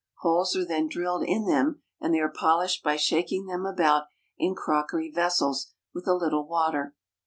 Holes are then drilled in them and they are polished by shaking them about in crockery vessels with a little water.